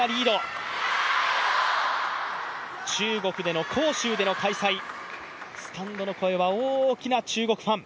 中国での杭州での開催、スタンドの声は大きな中国ファン。